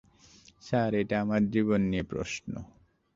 Sir, এটা আমার জীবন নিয়ে প্রশ্ন!